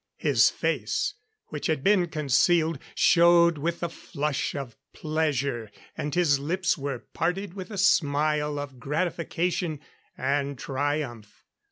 His face, which had been concealed, showed with the flush of pleasure and his lips were parted with a smile of gratification and triumph.